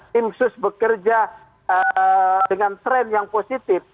tim sus bekerja dengan tren yang positif